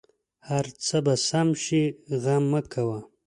هر څه به سم شې غم مه کوه